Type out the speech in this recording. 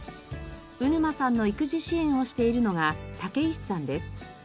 鵜沼さんの育児支援をしているのが武石さんです。